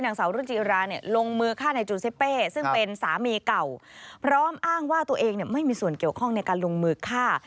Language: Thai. นางสาวรุจิราเนี่ยลงมือฆ่านายจูซิเป้ซึ่งเป็นสามีเก่าพร้อมอ้างว่าตัวเองไม่มีส่วนเกี่ยวข้องในการลงมือฆ่า